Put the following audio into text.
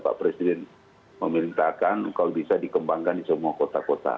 pak presiden memerintahkan kalau bisa dikembangkan di semua kota kota